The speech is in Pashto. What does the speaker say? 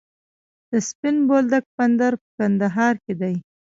د سپین بولدک بندر په کندهار کې دی